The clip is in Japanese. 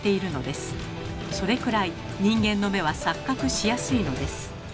それくらい人間の目は錯覚しやすいのです。